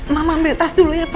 mama ambil tas dulu ya pa